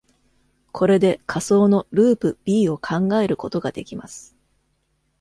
これで仮想のループ "b" を考えることができます。